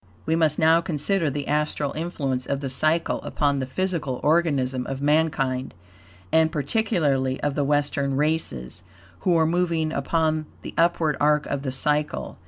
We must now consider the astral influence of the cycle upon the physical organism of mankind, and particularly of the Western races, who are moving upon the upward arc of the cycle.